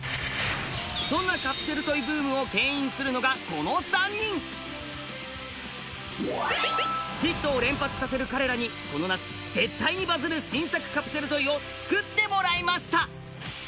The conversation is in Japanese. そんなカプセルトイブームをけん引するのがこの３人ヒットを連発させる彼らにこの夏絶対にバズる新作カプセルトイをつくってもらいました！